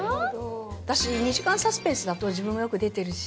私２時間サスペンスだと自分がよく出てるし。